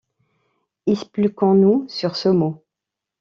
Expliquons-nous sur ce mot.